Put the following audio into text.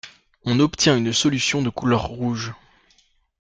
On obtient une solution de couleur rouge.